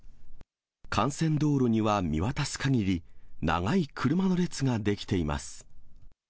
幹線道路には見渡す限り長い車の列が出来ています。